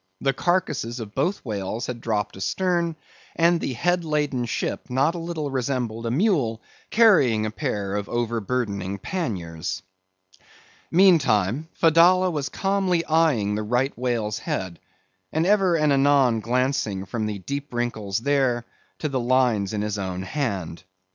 The carcases of both whales had dropped astern; and the head laden ship not a little resembled a mule carrying a pair of overburdening panniers. Meantime, Fedallah was calmly eyeing the right whale's head, and ever and anon glancing from the deep wrinkles there to the lines in his own hand.